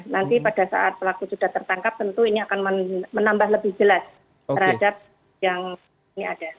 nanti pada saat pelaku sudah tertangkap tentu ini akan menambah lebih jelas terhadap yang ini ada